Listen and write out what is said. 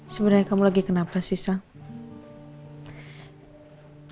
sebenernya kamu lagi kenapa sih sang